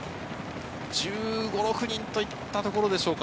１５１６人といったところでしょうか。